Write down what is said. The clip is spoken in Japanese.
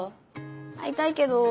会いたいけど。